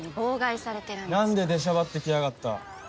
なんで出しゃばってきやがった？